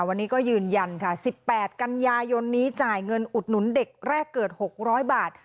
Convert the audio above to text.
วันนี้ก็ยืนยันค่ะ๑๘กันยายนนี้จ่ายเงินอุดหนุนเด็กแรกเกิด๖๐๐บาท